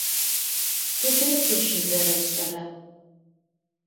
Тыдэ тыщызэрэшӏэра?